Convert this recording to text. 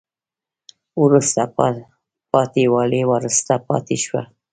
وروسته پاتې والی وروسته پاتې شوه